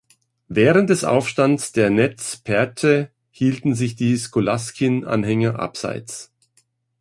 Während des Aufstands der Nez Perce hielten sich die Skolaskin-Anhänger abseits.